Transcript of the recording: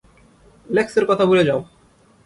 লেক্স এর কথা ভুলে যাও।